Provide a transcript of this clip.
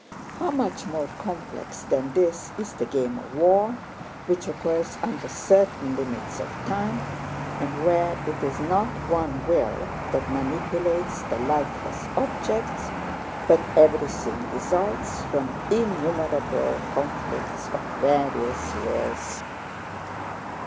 How much more complex than this is the game of war, which occurs under certain limits of time, and where it is not one will that manipulates lifeless objects, but everything results from innumerable conflicts of various wills!